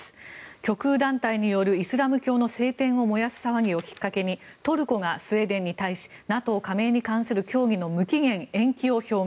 極右団体によるイスラム教の聖典を燃やす騒ぎを発端にトルコがスウェーデンに対しＮＡＴＯ加盟に関する協議の無期限延期を表明。